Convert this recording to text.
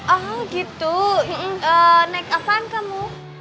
oh gitu naik apaan kamu